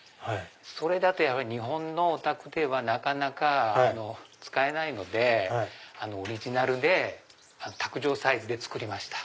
それだと日本のお宅ではなかなか使えないのでオリジナルで卓上サイズで作りました。